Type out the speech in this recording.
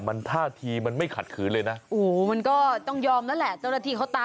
มันท่าทีมันไม่ขัดขืนเลยนะมันก็ต้องยอมแล้วแหละ